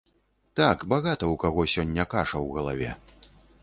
Так, багата ў каго сёння каша ў галаве.